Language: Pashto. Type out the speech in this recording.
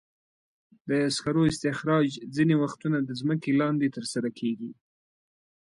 د سکرو استخراج ځینې وختونه د ځمکې لاندې ترسره کېږي.